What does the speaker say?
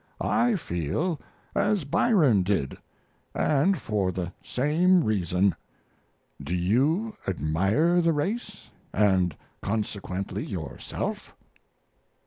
I feel as Byron did, and for the same reason. Do you admire the race (& consequently yourself)?